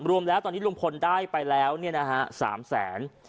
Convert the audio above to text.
รวมแล้วตอนนี้ลุงพลได้ไปแล้ว๓แสน